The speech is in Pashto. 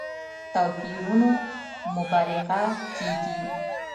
توپيرونو مبالغه کېږي.